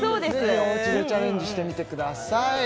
ぜひおうちでチャレンジしてみてください